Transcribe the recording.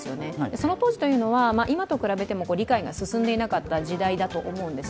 その当時というのは今と比べても理解が進んでいなかった時代だと思うんです。